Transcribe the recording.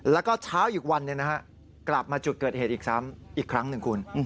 และก็เช้าหยุดวันกลับมาจุดเกิดเหตุอีกครั้ง๑คุณ